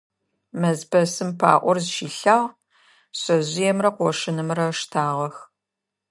Мэзпэсым паӀор зыщилъагъ, шъэжъыемрэ къошынымрэ ыштагъэх.